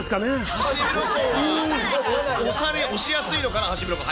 ハシビロコウは推しやすいのかな、ハシビロコウ。